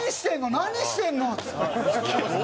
何してんの？」っつって。